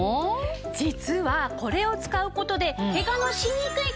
実はこれを使う事で。